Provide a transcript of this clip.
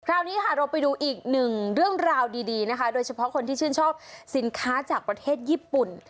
คราวนี้ค่ะเราไปดูอีกหนึ่งเรื่องราวดีนะคะโดยเฉพาะคนที่ชื่นชอบสินค้าจากประเทศญี่ปุ่น